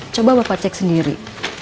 coba bapak cek sendiri